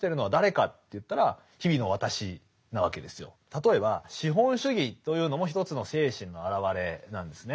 例えば資本主義というのも一つの精神のあらわれなんですね。